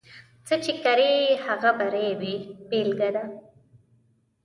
څه چې کرې، هغه به رېبې بېلګه ده.